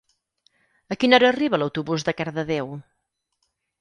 A quina hora arriba l'autobús de Cardedeu?